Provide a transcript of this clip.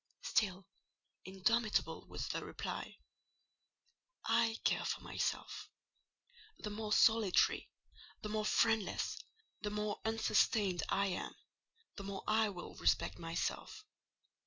Still indomitable was the reply—"I care for myself. The more solitary, the more friendless, the more unsustained I am, the more I will respect myself.